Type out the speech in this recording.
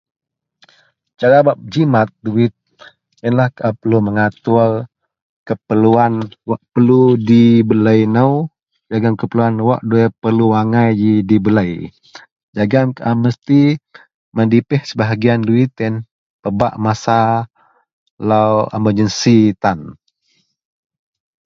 Cara ba berjimat duit yianlah kaau bak perlu matur cara kau pedepeh duit jegam keperluan wak perlu dibeli nou jegam wak da perlu Angai dibeli jegam kaau perlu dipeh duit ba guna masa suntuk atau lau emergency tan.